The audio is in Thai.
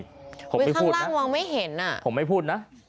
ข้างล่างมองไม่เห็นผมไม่พูดนะ